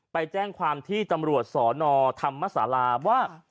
ไปแจ้งความที่ตำรวจสนธรรมศาลาว่า